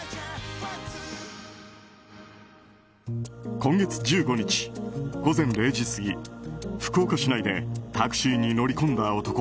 今月１５日午前０時過ぎ福岡市内でタクシーに乗り込んだ男。